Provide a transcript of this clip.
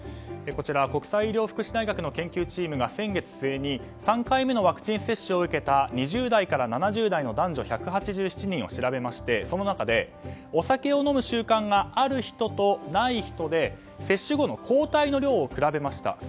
こちら、国際医療福祉大学の研究チームが先月末に３回目のワクチン接種を受けた２０代から７０代の男女１８７人を調べましてその中で、お酒を飲む習慣がある人とない人で接種後の抗体の量を比べました。